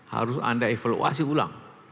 harus anda evaluasi ulang